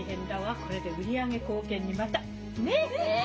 これで売り上げ貢献にまたねっ？